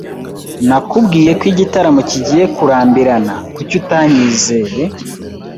Nakubwiye ko igitaramo kigiye kurambirana. Kuki utanyizeye?